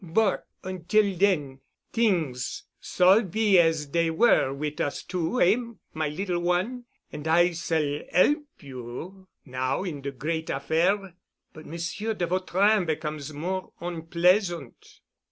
"But until then—t'ings s'all be as dey were wit' us two, eh, my little one? An' I s'all 'elp you now in de great affair? But Monsieur de Vautrin becomes more onpleasant.